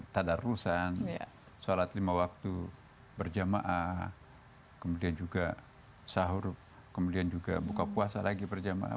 tadar rusan sholat lima waktu berjamaah kemudian juga sahur kemudian juga buka puasa lagi berjamaah